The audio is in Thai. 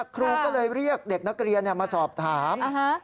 ครูก็เลยเรียกเด็กนักเรียนมาสอบถาม